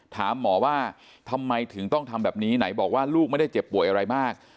ถามหมอว่าทำไมถึงต้องทำแบบนี้ไหนบอกว่าลูกไม่ได้เจ็บป่วยอะไรมาก